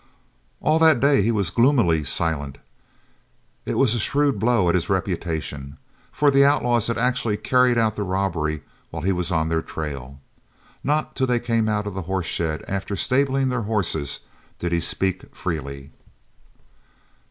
All that day he was gloomily silent. It was a shrewd blow at his reputation, for the outlaws had actually carried out the robbery while he was on their trail. Not till they came out of the horse shed after stabling their horses did he speak freely.